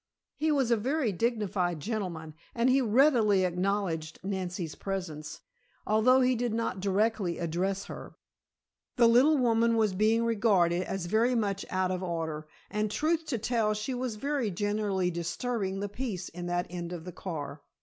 He was a very dignified gentleman, and he readily acknowledged Nancy's presence, although he did not directly address her. The little woman was being regarded as very much out of order, and truth to tell she was very generally disturbing the peace in that end of the car.